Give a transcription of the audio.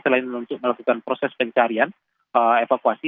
selain untuk melakukan proses pencarian evakuasi